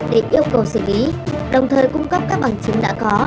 để yêu cầu xử lý đồng thời cung cấp các bằng chứng đã có